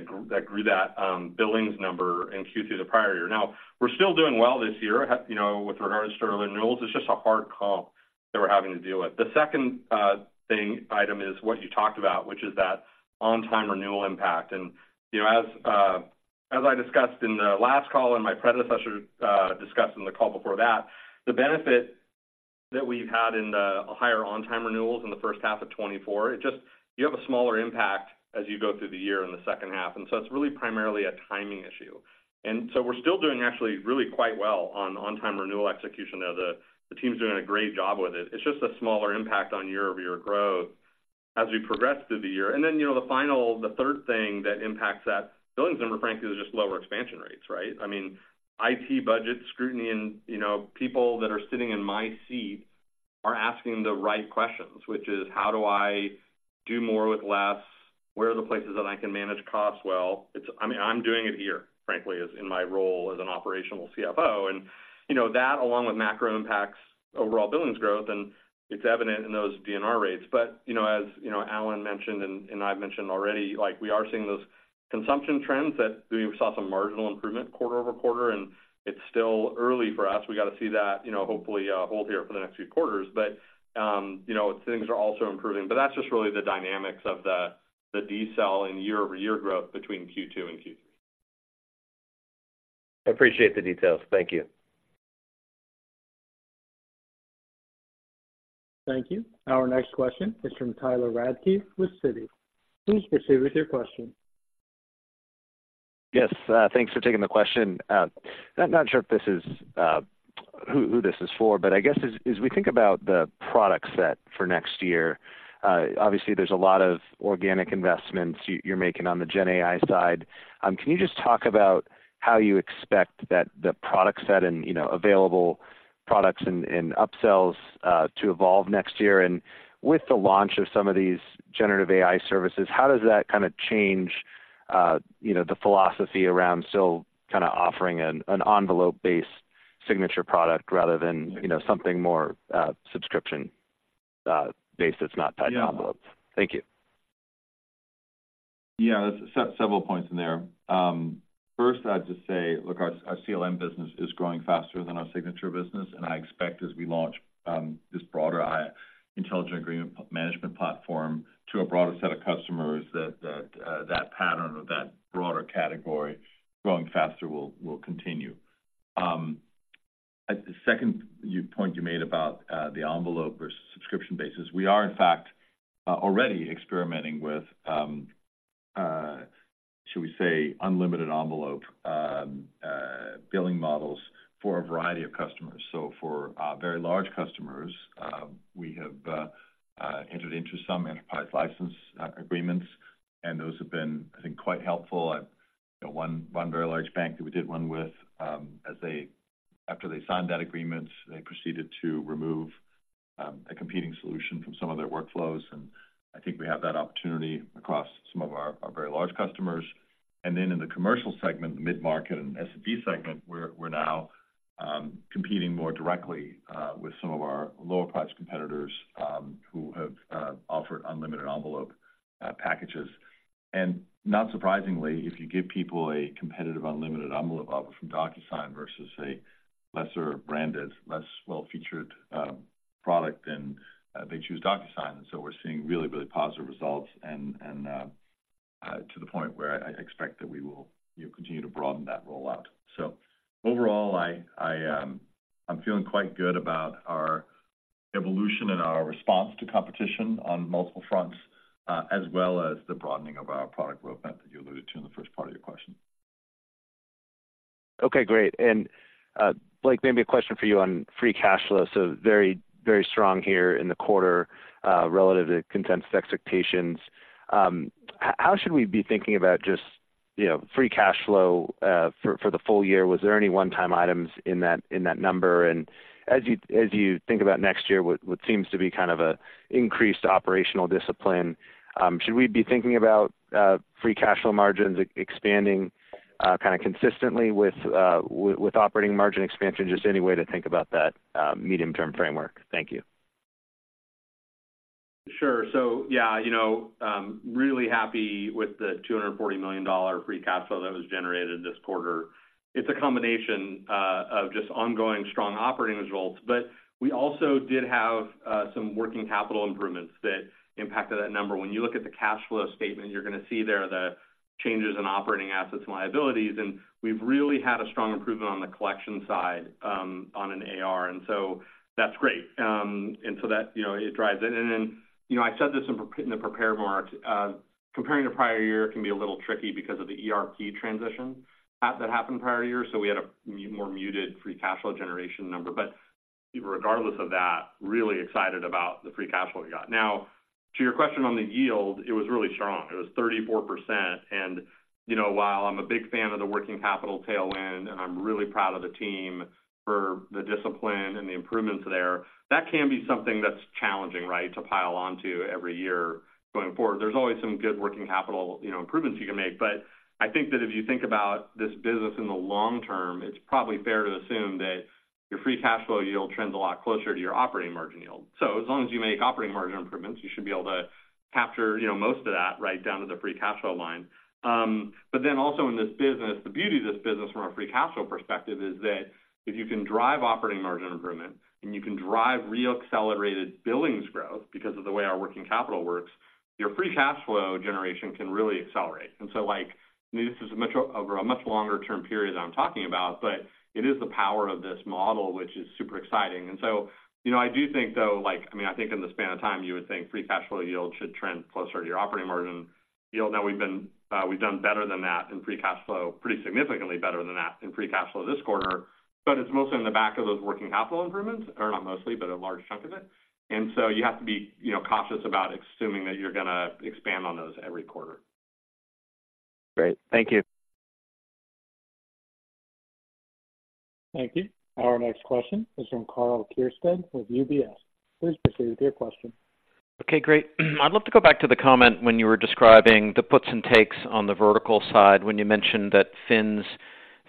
grew that billings number in Q2 the prior year. Now, we're still doing well this year, you know, with regards to early renewals. It's just a hard call that we're having to deal with. The second, thing, item is what you talked about, which is that on-time renewal impact. And, you know, as, as I discussed in the last call, and my predecessor, discussed in the call before that, the benefit that we've had in the higher on-time renewals in the first half of 2024, it just, you have a smaller impact as you go through the year in the second half, and so it's really primarily a timing issue. And so we're still doing actually really quite well on on-time renewal execution there. The, the team's doing a great job with it. It's just a smaller impact on year-over-year growth as we progress through the year. And then, you know, the final, the third thing that impacts that billings number, frankly, is just lower expansion rates, right? I mean, IT budget scrutiny and, you know, people that are sitting in my seat are asking the right questions, which is: How do I do more with less? Where are the places that I can manage costs well? It's... I mean, I'm doing it here, frankly, as in my role as an operational CFO. And you know, that, along with macro, impacts overall billings growth, and it's evident in those DNR rates. But, you know, as you know, Allan mentioned, and, and I've mentioned already, like, we are seeing those consumption trends that we saw some marginal improvement quarter-over-quarter, and it's still early for us. We got to see that, you know, hopefully, hold here for the next few quarters. You know, things are also improving. But that's just really the dynamics of the decel in year-over-year growth between Q2 and Q3. I appreciate the details. Thank you. Thank you. Our next question is from Tyler Radke with Citi. Please proceed with your question. Yes, thanks for taking the question. Not sure if this is who this is for, but I guess as we think about the product set for next year, obviously, there's a lot of organic investments you're making on the Gen AI side. Can you just talk about how you expect that the product set and, you know, available products and upsells to evolve next year? And with the launch of some of these generative AI services, how does that kind of change, you know, the philosophy around still kind of offering an envelope-based signature product rather than, you know, something more subscription based, that's not tied to envelope? Thank you. Yeah, there's several points in there. First, I'd just say, look, our CLM business is growing faster than our signature business, and I expect as we launch this broader intelligent agreement management platform to a broader set of customers, that pattern or that broader category growing faster will continue. The second point you made about the envelope versus subscription basis, we are, in fact, already experimenting with, should we say, unlimited envelope billing models for a variety of customers. So for very large customers, we have entered into some enterprise license agreements, and those have been, I think, quite helpful. One very large bank that we did one with, as they after they signed that agreement, they proceeded to remove a competing solution from some of their workflows, and I think we have that opportunity across some of our very large customers. And then in the commercial segment, the mid-market and SMB segment, we're now competing more directly with some of our lower-priced competitors who have offered unlimited envelope packages. And not surprisingly, if you give people a competitive, unlimited envelope offer from DocuSign versus a lesser-branded, less well-featured product, then they choose DocuSign. So we're seeing really, really positive results, and to the point where I expect that we will, you know, continue to broaden that rollout. So overall, I'm feeling quite good about our evolution and our response to competition on multiple fronts, as well as the broadening of our product roadmap that you alluded to in the first part of your question. Okay, great. And, Blake, maybe a question for you on free cash flow. So very, very strong here in the quarter, relative to consensus expectations. How should we be thinking about just, you know, free cash flow, for the full year? Was there any one-time items in that, in that number? And as you, as you think about next year, what seems to be kind of a increased operational discipline, should we be thinking about, free cash flow margins expanding, kind of consistently with, with operating margin expansion? Just any way to think about that, medium-term framework. Thank you. Sure. So yeah, you know, really happy with the $240 million free cash flow that was generated this quarter. It's a combination of just ongoing strong operating results, but we also did have some working capital improvements that impacted that number. When you look at the cash flow statement, you're gonna see there the changes in operating assets and liabilities, and we've really had a strong improvement on the collection side, on an AR, and so that's great. And so that, you know, it drives it. And then, you know, I said this in the prepared remarks. Comparing the prior year can be a little tricky because of the ERP transition app that happened prior year. So we had a more muted free cash flow generation number. Regardless of that, really excited about the free cash flow we got. Now, to your question on the yield, it was really strong. It was 34%, and, you know, while I'm a big fan of the working capital tailwind, and I'm really proud of the team for the discipline and the improvements there, that can be something that's challenging, right, to pile on to every year going forward. There's always some good working capital, you know, improvements you can make. But I think that if you think about this business in the long term, it's probably fair to assume that your free cash flow yield trends a lot closer to your operating margin yield. So as long as you make operating margin improvements, you should be able to capture, you know, most of that right down to the free cash flow line. But then also in this business, the beauty of this business from a free cash flow perspective is that if you can drive operating margin improvement, and you can drive re-accelerated billings growth because of the way our working capital works, your free cash flow generation can really accelerate. And so like, this is over a much longer term period I'm talking about, but it is the power of this model, which is super exciting. And so, you know, I do think, though, like, I mean, I think in the span of time, you would think free cash flow yield should trend closer to your operating margin. You know, now we've been, we've done better than that in free cash flow, pretty significantly better than that in free cash flow this quarter, but it's mostly in the back of those working capital improvements, or not mostly, but a large chunk of it. And so you have to be, you know, cautious about assuming that you're gonna expand on those every quarter. Great. Thank you. Thank you. Our next question is from Karl Keirstead with UBS. Please proceed with your question. Okay, great. I'd love to go back to the comment when you were describing the puts and takes on the vertical side, when you mentioned that Fins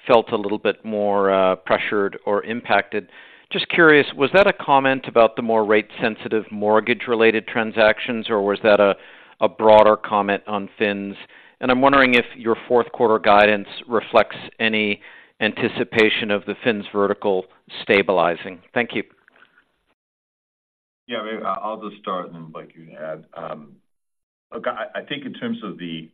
felt a little bit more pressured or impacted. Just curious, was that a comment about the more rate-sensitive mortgage-related transactions, or was that a broader comment on Fins? And I'm wondering if your fourth quarter guidance reflects any anticipation of the Fins vertical stabilizing. Thank you. Yeah, maybe I'll just start, and then, Blake, you can add. Look, I think in terms of the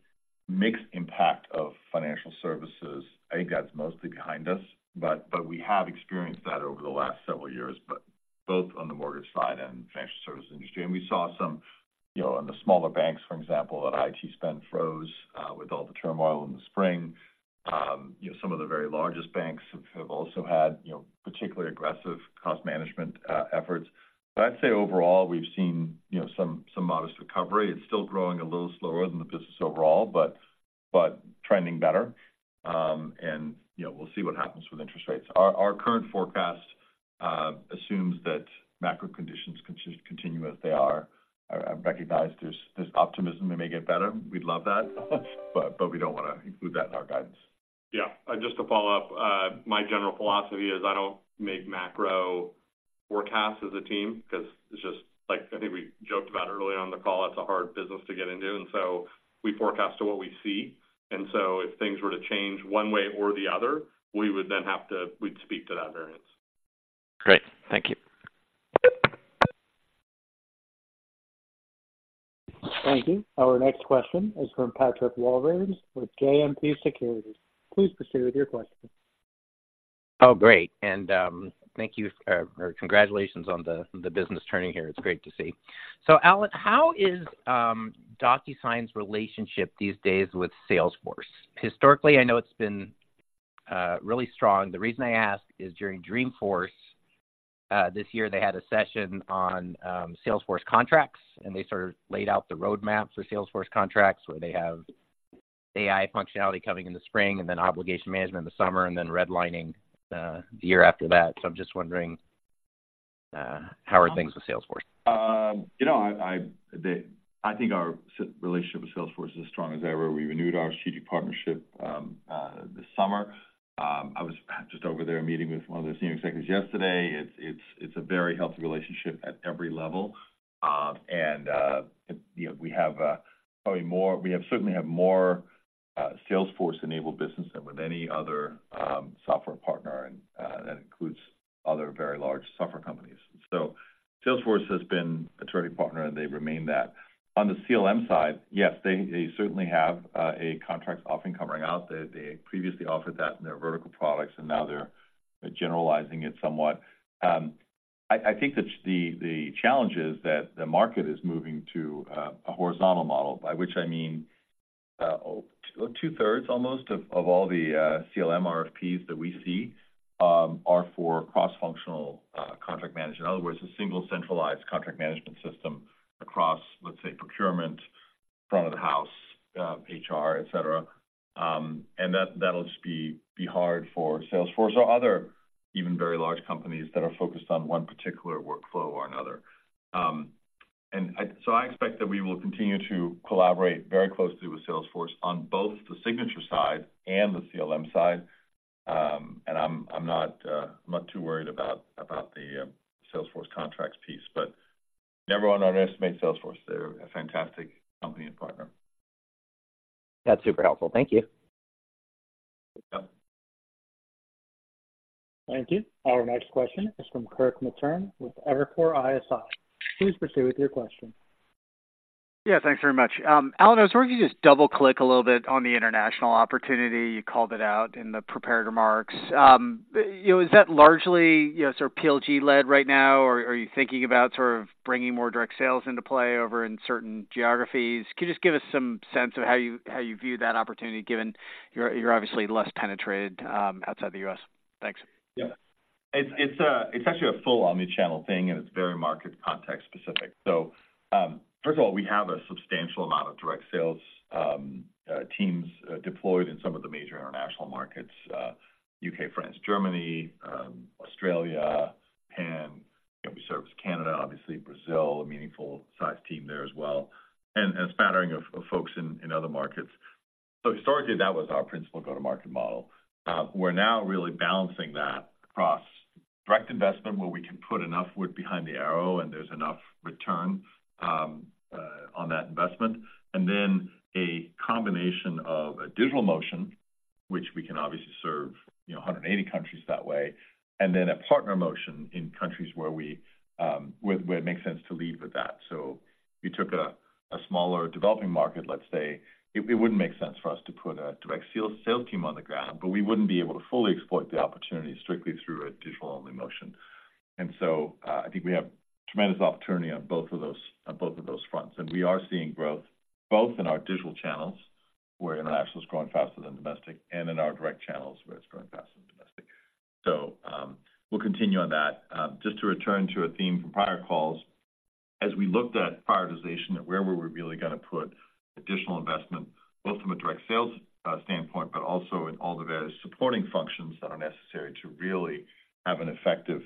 mixed impact of financial services, I think that's mostly behind us, but we have experienced that over the last several years. But both on the mortgage side and financial services industry. We saw some, you know, in the smaller banks, for example, that IT spend froze with all the turmoil in the spring. Some of the very largest banks have also had, you know, particularly aggressive cost management efforts. But I'd say overall, we've seen, you know, some modest recovery. It's still growing a little slower than the business overall, but trending better. You know, we'll see what happens with interest rates. Our current forecast assumes that macro conditions continue as they are. I recognize there's optimism it may get better. We'd love that, but we don't want to include that in our guidance. Yeah. Just to follow up, my general philosophy is I don't make macro forecasts as a team because it's just like, I think we joked about it earlier on the call, it's a hard business to get into, and so we forecast to what we see. And so if things were to change one way or the other, we would then have to. We'd speak to that variance. Great. Thank you. Thank you. Our next question is from Patrick Walravens with JMP Securities. Please proceed with your question. Oh, great, and thank you or congratulations on the business turning here. It's great to see. So Allan, how is Docusign's relationship these days with Salesforce? Historically, I know it's been really strong. The reason I ask is during Dreamforce this year, they had a session on Salesforce Contracts, and they sort of laid out the roadmap for Salesforce Contracts, where they have AI functionality coming in the spring, and then obligation management in the summer, and then redlining the year after that. So I'm just wondering how are things with Salesforce? You know, I think our relationship with Salesforce is as strong as ever. We renewed our strategic partnership this summer. I was just over there meeting with one of their senior executives yesterday. It's a very healthy relationship at every level. You know, we certainly have more Salesforce-enabled business than with any other software partner, and that includes other very large software companies. So Salesforce has been a trading partner, and they remain that. On the CLM side, yes, they certainly have a contract offering coming out. They previously offered that in their vertical products, and now they're generalizing it somewhat. I think that the challenge is that the market is moving to a horizontal model, by which I mean, two-thirds almost of all the CLM RFPs that we see are for cross-functional contract management. In other words, a single centralized contract management system across, let's say, procurement, front of the house, HR, et cetera. And that, that'll just be hard for Salesforce or other even very large companies that are focused on one particular workflow or another. So I expect that we will continue to collaborate very closely with Salesforce on both the signature side and the CLM side. And I'm not too worried about the Salesforce Contracts piece, but never underestimate Salesforce. They're a fantastic company and partner. That's super helpful. Thank you. Yeah. Thank you. Our next question is from Kirk Materne with Evercore ISI. Please proceed with your question. Yeah, thanks very much. Allan, I was wondering if you could just double-click a little bit on the international opportunity. You called it out in the prepared remarks. You know, is that largely, you know, sort of PLG led right now, or are you thinking about sort of bringing more direct sales into play over in certain geographies? Can you just give us some sense of how you view that opportunity, given you're obviously less penetrated outside the U.S.? Thanks. Yeah. It's actually a full omni-channel thing, and it's very market context specific. So, first of all, we have a substantial amount of direct sales teams deployed in some of the major international markets, U.K., France, Germany, Australia, Japan, and we service Canada, obviously Brazil, a meaningful size team there as well, and a smattering of folks in other markets. So historically, that was our principal go-to-market model. We're now really balancing that across direct investment, where we can put enough wood behind the arrow, and there's enough return on that investment. And then a combination of a digital motion, which we can obviously serve, you know, 180 countries that way, and then a partner motion in countries where it makes sense to lead with that. So if we took a smaller developing market, let's say, it wouldn't make sense for us to put a direct sales team on the ground, but we wouldn't be able to fully exploit the opportunity strictly through a digital-only motion. And so, I think we have tremendous opportunity on both of those, on both of those fronts. And we are seeing growth, both in our digital channels, where international is growing faster than domestic, and in our direct channels, where it's growing faster than domestic. So, we'll continue on that. Just to return to a theme from prior calls, as we looked at prioritization and where we were really gonna put additional investment, both from a direct sales standpoint, but also in all the various supporting functions that are necessary to really have an effective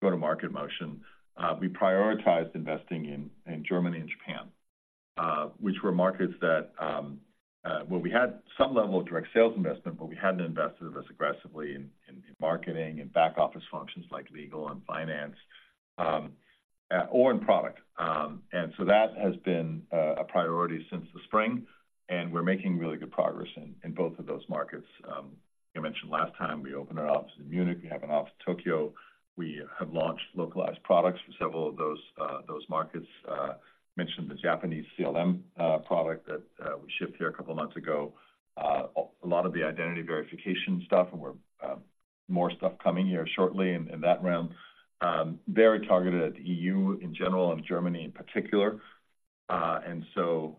go-to-market motion, we prioritized investing in Germany and Japan, which were markets that where we had some level of direct sales investment, but we hadn't invested as aggressively in marketing and back office functions like legal and finance, or in product. So that has been a priority since the spring, and we're making really good progress in both of those markets. I mentioned last time we opened our office in Munich. We have an office in Tokyo. We have launched localized products for several of those markets. Mentioned the Japanese CLM product that we shipped here a couple of months ago. A lot of the identity verification stuff, and we're more stuff coming here shortly in that realm. Very targeted at the EU in general and Germany in particular. And so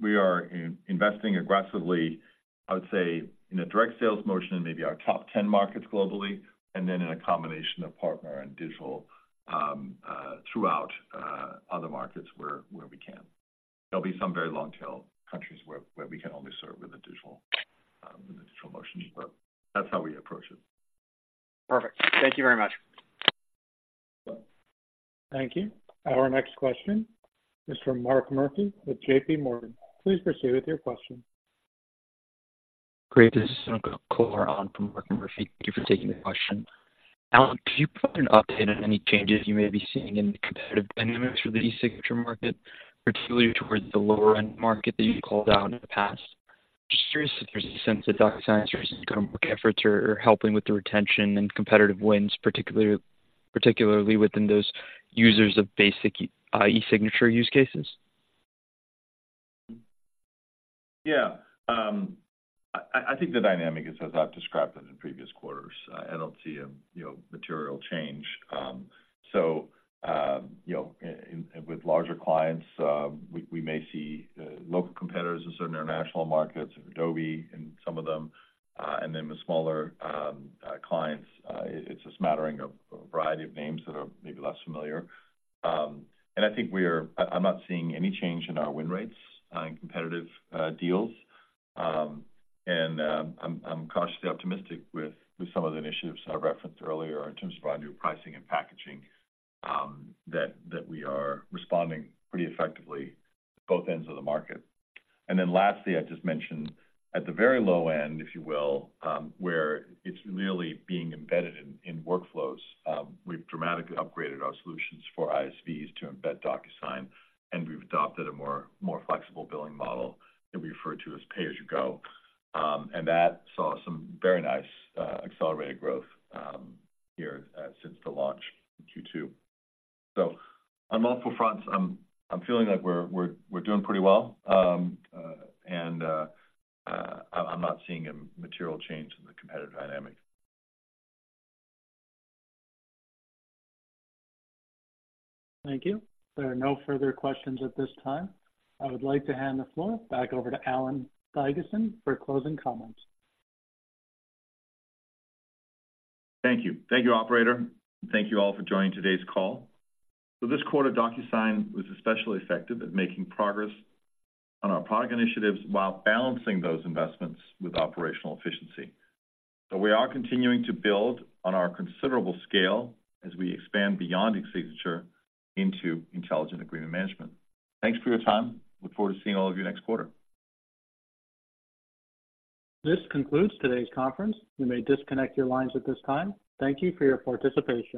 we are investing aggressively, I would say, in a direct sales motion in maybe our top 10 markets globally, and then in a combination of partner and digital throughout other markets where we can. There'll be some very long tail countries where we can only serve with a digital motion, but that's how we approach it. Perfect. Thank you very much. Thank you. Our next question is from Mark Murphy with JPMorgan. Please proceed with your question. Great. This is on from Mark Murphy. Thank you for taking the question. Allan, could you provide an update on any changes you may be seeing in the competitive dynamics for the eSignature market, particularly towards the lower-end market that you called out in the past? Just curious if there's a sense that Docusign's recent go-to-market efforts are, are helping with the retention and competitive wins, particularly, particularly within those users of basic eSignature use cases? Yeah. I think the dynamic is, as I've described it in previous quarters, I don't see a, you know, material change. So, you know, with larger clients, we may see local competitors in certain international markets, Adobe in some of them, and then the smaller clients, it's a smattering of a variety of names that are maybe less familiar. And I think I'm not seeing any change in our win rates in competitive deals. And I'm cautiously optimistic with some of the initiatives I referenced earlier in terms of our new pricing and packaging, that we are responding pretty effectively at both ends of the market. And then lastly, I just mentioned at the very low end, if you will, where it's really being embedded in workflows, we've dramatically upgraded our solutions for ISVs to embed Docusign, and we've adopted a more flexible billing model that we refer to as Pay-As-You-Go. And that saw some very nice accelerated growth here since the launch in Q2. So on multiple fronts, I'm feeling like we're doing pretty well. And I'm not seeing a material change in the competitive dynamic. Thank you. There are no further questions at this time. I would like to hand the floor back over to Allan Thygesen for closing comments. Thank you. Thank you, Operator, and thank you all for joining today's call. This quarter, DocuSign was especially effective at making progress on our product initiatives while balancing those investments with operational efficiency. We are continuing to build on our considerable scale as we expand beyond eSignature into Intelligent Agreement Management. Thanks for your time. Look forward to seeing all of you next quarter. This concludes today's conference. You may disconnect your lines at this time. Thank you for your participation.